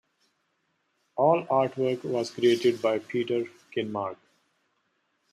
All artwork was created by Peter Kinmark.